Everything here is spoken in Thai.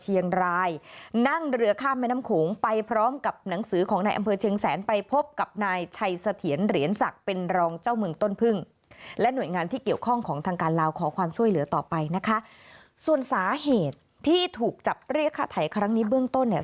นั่งเรือข้ามแม่น้ำโขงไปพร้อมกับหนังสือของนายอำเภอเชียงแสนไปพบกับนายชัยเสถียรเหรียญศักดิ์เป็นรองเจ้าเมืองต้นพึ่งและหน่วยงานที่เกี่ยวข้องของทางการลาวขอความช่วยเหลือต่อไปนะคะส่วนสาเหตุที่ถูกจับเรียกค่าไถครั้งนี้เบื้องต้นเนี่ย